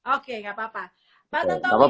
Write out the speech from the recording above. oke gak apa apa